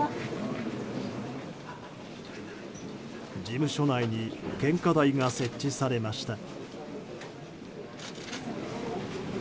事務所内に献花台が設置されました。